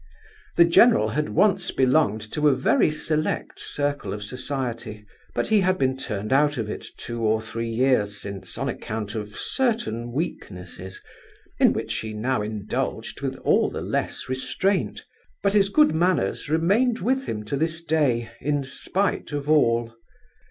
The general had once belonged to a very select circle of society, but he had been turned out of it two or three years since on account of certain weaknesses, in which he now indulged with all the less restraint; but his good manners remained with him to this day, in spite of all.